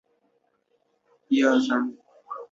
秘密可说是开放的相反。